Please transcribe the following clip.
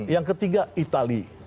yang ketiga itali